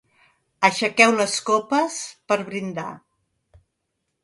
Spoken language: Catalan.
Aixequeu les copes per brindar.